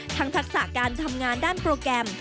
ทักษะการทำงานด้านโปรแกรม